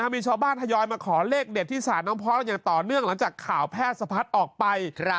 มีชาวบ้านทยอยมาขอเลขเด็ดที่ศาลน้องพอร์ตอย่างต่อเนื่องหลังจากข่าวแพทย์สะพัดออกไป